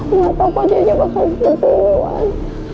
aku gak tau apa jadinya bahkan bentuknya wan